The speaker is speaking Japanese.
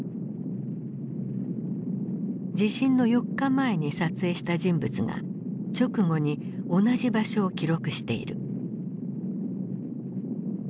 地震の４日前に撮影した人物が直後に同じ場所を記録している。